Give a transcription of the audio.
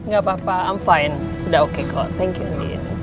gak apa apa i'm fine sudah oke kok thank you lin